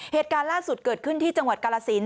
เหตุการณ์ล่าสุดเกิดขึ้นที่จังหวัดกาลสิน